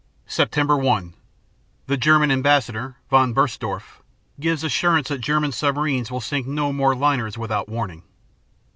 _Sept. 1 The German ambassador, von Bernstorff, gives assurance that German submarines will sink no more liners without warning.